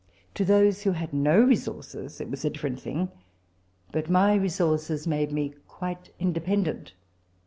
To those who had no resources it was a different thing ; but my resources made me quite independent.